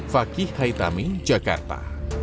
fakih haitami jakarta